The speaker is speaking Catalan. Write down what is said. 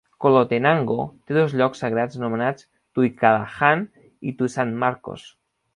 Colotenango té dos llocs sagrats anomenats Tuikalajan i Tuisanmarcos.